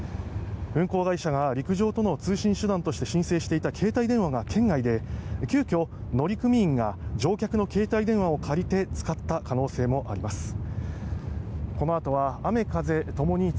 運航会社が陸上との通信手段として申請していた携帯電話が圏外で急きょ、乗組員が乗客の携帯電話を借りて使った可能性があるということです。